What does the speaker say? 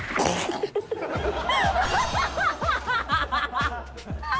アハハハハ！